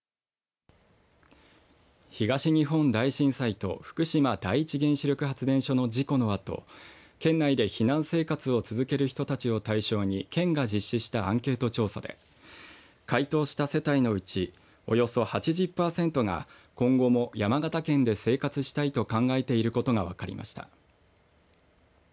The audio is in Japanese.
東日本大震災と福島第一原子力発電所の事故のあと県内で避難生活を続ける人たちを対象に県が実施したアンケート調査で回答した世帯のうちおよそ８０％が今後も山形県で生活したいと考えていることが分かりました。